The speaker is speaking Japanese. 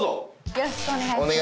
よろしくお願いします。